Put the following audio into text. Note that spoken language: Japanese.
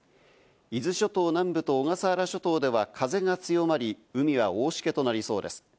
伊豆諸島南部と小笠原諸島では風が強まり、海は大しけとなりそうです。